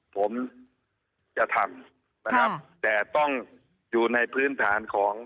ผมจะทำแล้วต้องอยู่ในพื้นฐานของ